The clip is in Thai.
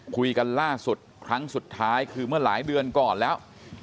คุยกันล่าสุดครั้งสุดท้ายคือเมื่อหลายเดือนก่อนแล้ว